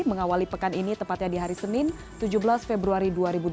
mengawali pekan ini tepatnya di hari senin tujuh belas februari dua ribu dua puluh